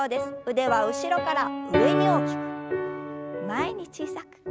腕は後ろから上に大きく前に小さく。